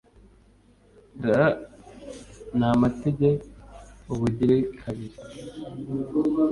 r/ ni amatage ubugirakabili